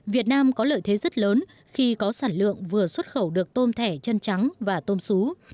việt nam có lợi thế rất lớn khi có sản lượng vừa xuất khẩu được tôm thẻ chân trắng và tôm xú